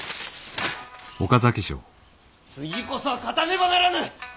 次こそは勝たねばならぬ！